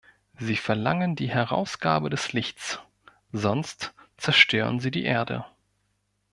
Sie verlangen die Herausgabe des Lichts, sonst zerstören sie die Erde.